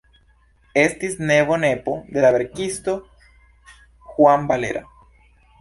Estis nevo-nepo de la verkisto Juan Valera.